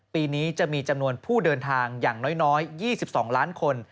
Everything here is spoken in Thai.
ปีนี้จะมีจำนวนผู้เดินทางอย่างน้อย๒๒ล้านคน